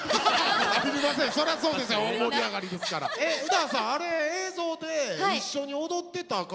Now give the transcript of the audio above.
詩羽さんあれ映像で一緒に踊ってた方